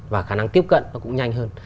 và khả năng tiếp cận nó cũng nhanh hơn